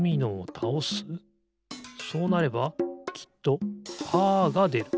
そうなればきっとパーがでる。